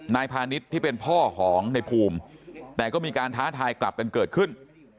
พาณิชย์ที่เป็นพ่อของในภูมิแต่ก็มีการท้าทายกลับกันเกิดขึ้น